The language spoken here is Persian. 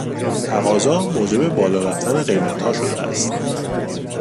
تقاضا موجب بالا رفتن قیمتها شده است